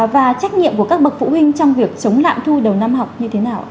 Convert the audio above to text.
và trách nhiệm của các bậc phụ huynh trong việc chống lạm thu đầu năm học như thế nào